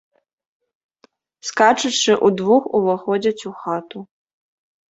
Скачучы, удвух уваходзяць у хату.